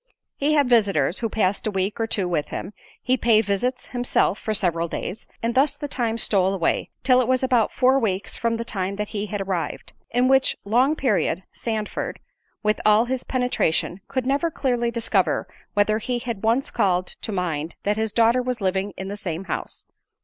He had visitors, who passed a week or two with him; he paid visits himself for several days; and thus the time stole away, till it was about four weeks from the time that he had arrived; in which long period, Sandford, with all his penetration, could never clearly discover whether he had once called to mind that his daughter was living in the same house.